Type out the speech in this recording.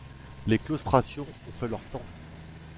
Les claustrations ont fait leur temps.